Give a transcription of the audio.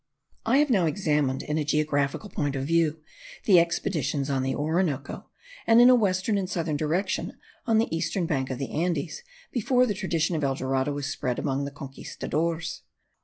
I have now examined, in a geographical point of view, the expeditions on the Orinoco, and in a western and southern direction on the eastern back of the Andes, before the tradition of El Dorado was spread among the conquistadores.